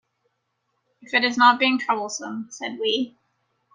"If it is not being troublesome," said we.